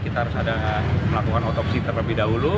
kita harus ada melakukan otopsi terlebih dahulu